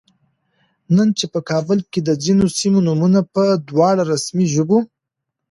نن چې په کابل کې د ځینو سیمو نومونه په دواړو رسمي ژبو